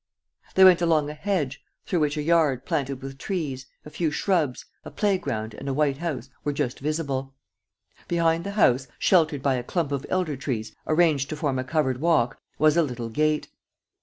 ..." They went along a hedge, through which a yard planted with trees, a few shrubs, a playground and a white house were just visible. Behind the house, sheltered by a clump of elder trees arranged to form a covered walk, was a little gate.